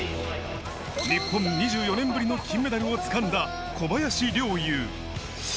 日本、２４年ぶりの金メダルをつかんだ小林陵侑。